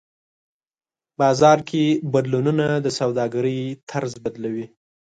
بازار کې بدلونونه د سوداګرۍ طرز بدلوي.